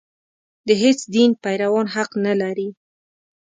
د هېڅ دین پیروان حق نه لري.